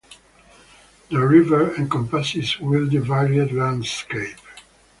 The river encompasses wildly varied landscape.